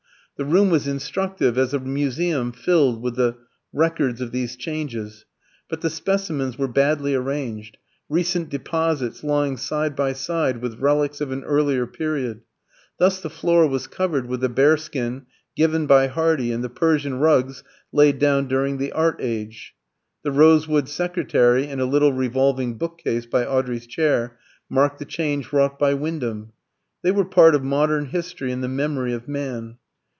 The room was instructive as a museum filled with the records of these changes. But the specimens were badly arranged, recent deposits lying side by side with relics of an earlier period: thus the floor was covered with the bearskin given by Hardy and the Persian rugs laid down during the Art age. The rosewood secretary and a little revolving book case by Audrey's chair marked the change wrought by Wyndham. They were part of modern history and the memory of man.